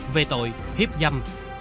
về tội hiếp dâm